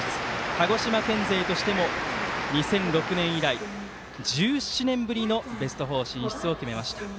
鹿児島県勢としても２００６年以来１７年ぶりのベスト４進出を決めました。